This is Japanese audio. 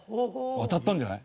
当たったんじゃない？